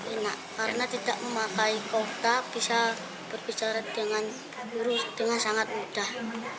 enak karena tidak memakai kotak bisa berbicara dengan guru dengan sangat mudah